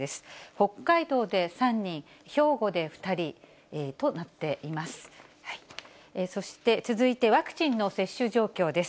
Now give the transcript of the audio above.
北海道で３人、兵庫で２人となっています。